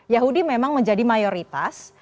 yahudi memang menjadi mayoritas